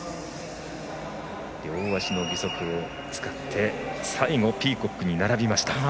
両足の義足を使って最後、ピーコックに並びました。